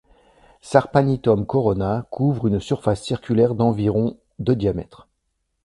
Sarpanitum Corona couvre une surface circulaire d'environ de diamètre.